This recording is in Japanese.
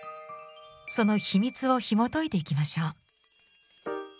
その秘密をひもといていきましょう。